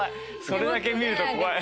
それだけ見ると怖い。